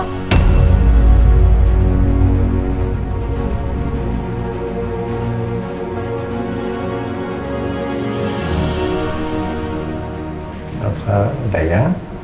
tidak usah daya